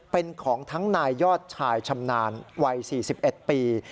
เป็นของทั้งนายยอดชายชำนาญวัย๔๑ปี